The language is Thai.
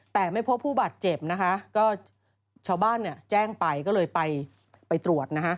แต่ไม่พบผู้บาดเจ็บชาวบ้านแจ้งไปก็เลยไปตรวจ